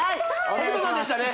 北斗さんでしたね